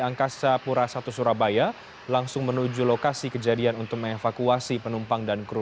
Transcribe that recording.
angkasa pura i surabaya langsung menuju lokasi kejadian untuk mengevakuasi penumpang dan kru